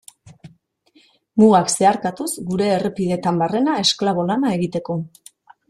Mugak zeharkatuz gure errepideetan barrena esklabo lana egiteko.